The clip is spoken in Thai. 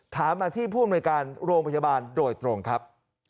ถามมาที่ผู้อำนวยการโรงพยาบาลโดยตรงครับ